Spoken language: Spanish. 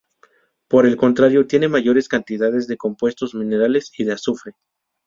Por el contrario, tiene mayores cantidades de compuestos minerales y de azufre.